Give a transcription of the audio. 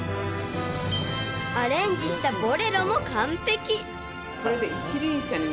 ［アレンジしたボレロも完璧！］